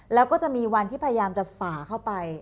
แล้วก็จะมีวันที่พยายามจะฝ่าเข้าไป